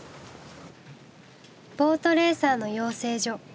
ボートレーサーの養成所。